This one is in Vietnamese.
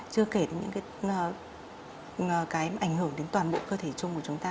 chưa kể đến những cái ảnh hưởng đến toàn bộ cơ thể chung của chúng ta